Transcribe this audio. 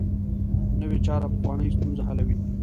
نوې چاره پخوانۍ ستونزه حلوي